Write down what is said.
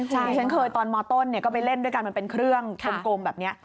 ที่ฉันเคยตอนมต้นก็ไปเล่นด้วยกันมันเป็นเครื่องกลมแบบนี้